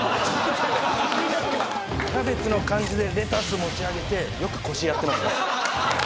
キャベツの感じでレタス持ち上げてよく腰やってました。